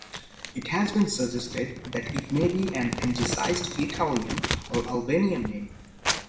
It has been suggested that it may be an angicised Italian or Albanian name.